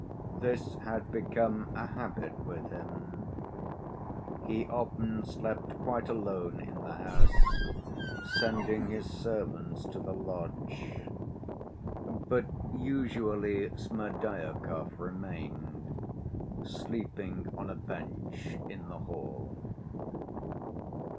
This had become a habit with him. He often slept quite alone in the house, sending his servants to the lodge; but usually Smerdyakov remained, sleeping on a bench in the hall.